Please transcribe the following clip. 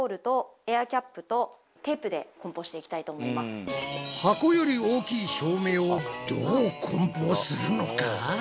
今回は箱より大きい照明をどう梱包するのか？